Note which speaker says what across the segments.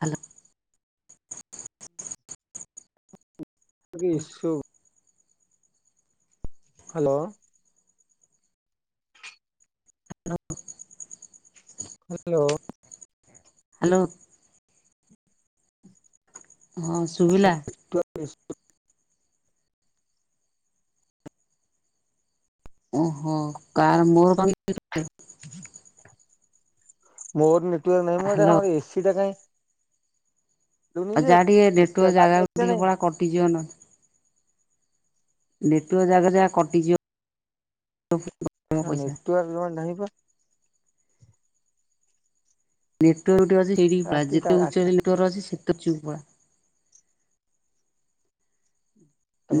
Speaker 1: Hello.
Speaker 2: [unintelligible] Hello. Hello.
Speaker 1: Hello. ହଁ ଶୁଭିଲା।
Speaker 2: [unintelligible]
Speaker 1: [unintelligible]
Speaker 2: ମୋର ନେଟୱାର ନାହିଁ, ମୋ
Speaker 1: ହ୍ୟାଲୋ
Speaker 2: ଏଇଆଡ଼େ ଏସି ଟା କାଇଁ। ଲୁନି ଯେ
Speaker 1: ଯା ଟିକେ ନେଟୱରକ
Speaker 2: ଏଟା ଲାଇନ ଅଛି
Speaker 1: ଜାଗାକୁ
Speaker 2: ନା
Speaker 1: ଟିକେ
Speaker 2: ନାଇଁ
Speaker 1: ପଳା କଟିଯିବ ନହେଲେ। ନେଟୱର ଜାଗାରେ ଯାହା କଟିଯିବ। ମୋ
Speaker 2: ଛା
Speaker 1: ପଇସା
Speaker 2: ନେଟୱାର ଜମା ନାହିଁ ପା।
Speaker 1: ନେଟୱାର୍କ ଯେଉଁଠି ଅଛି ସେଇଠିକି ପଳା
Speaker 2: ରାତି ଟା
Speaker 1: ଯେତେ ଉଚରେ
Speaker 2: ରାତି
Speaker 1: ନେଟୱର ଅଛି ସେତେ ପଛକୁ ପଳା।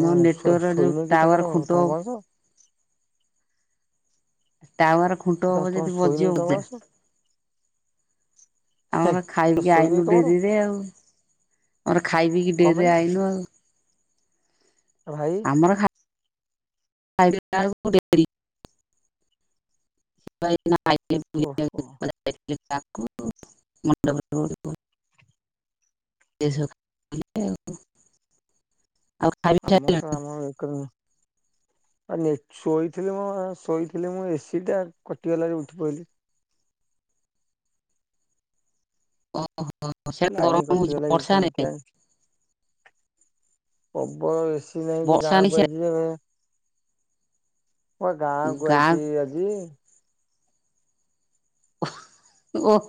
Speaker 1: ନ ନେଟୱାର୍କ ଯୋଉ ଟାୱାର ଖୁଣ୍ଟ ଟାୱାର ଖୁଣ୍ଟ ଉପରେ
Speaker 2: ତମର
Speaker 1: ଯଦି
Speaker 2: ଶୋଇନ
Speaker 1: ବଜି
Speaker 2: କି ତମ
Speaker 1: ଉଚ୍ଚା।
Speaker 2: ବସ?
Speaker 1: ଆମର
Speaker 2: ତ
Speaker 1: ଖାଇକି
Speaker 2: ଶୋଇନି
Speaker 1: ଆଇନୁ
Speaker 2: କି ତମର
Speaker 1: ଡେରିରେ ଆଉ, ଆମର ଖାଇ ପିଇକି କିି
Speaker 2: କଣ
Speaker 1: ଡେରିରେ
Speaker 2: ପାଇଁ
Speaker 1: ଆଇଲୁ ଆଉ।
Speaker 2: ଆଉ ଭାଇ?
Speaker 1: ଆମର ଖା। [unintelligible]
Speaker 2: ଓହୋ
Speaker 1: [unintelligible] [unintelligible]
Speaker 2: ଆମ ସ ଆମ ଏକ ଦ। ଆଲିଚି ଶୋଇଥିଲି ମୁଁ ଶୋଇଥିଲି ମୁଁ ଏସିି ଟା କଟିଗଲା ଉଠି ପଇଲି।
Speaker 1: ଅ ହ।
Speaker 2: ଲାଇନି କଟିଗଲା କି କଣ କେଜାଣି। ପବଳ ଏସି ନାଗିଚି
Speaker 1: ବର୍ଷା
Speaker 2: ଗାଁ
Speaker 1: ନାହିଁ
Speaker 2: କୁ ଆଇଚି ଯେବେ। ମୁଁ ପା ଗାଁ କୁ ଆଇଛି ଆଜି।
Speaker 1: ଗକ।